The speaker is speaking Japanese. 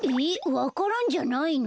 わか蘭じゃないの？